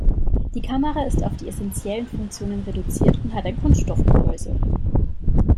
Die Kamera ist auf die essentiellen Funktionen reduziert und hat ein Kunststoffgehäuse.